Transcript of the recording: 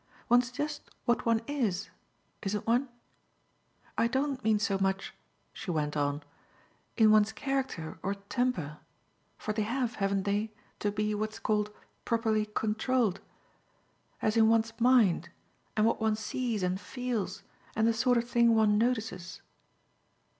One's just what one IS isn't one? I don't mean so much," she went on, "in one's character or temper for they have, haven't they? to be what's called 'properly controlled' as in one's mind and what one sees and feels and the sort of thing one notices."